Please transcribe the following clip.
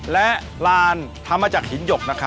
และลานธรรมจักรหินยพ